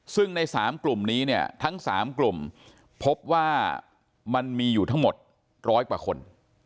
ซึ่งใน๓กลุ่มนี้เนี่ยทั้ง๓กลุ่มพบว่ามันมีอยู่ทั้งหมด๑๐๐กว่าคน